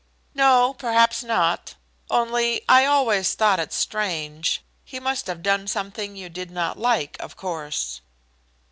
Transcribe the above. "No, perhaps not. Only I always thought it strange. He must have done something you did not like, of course."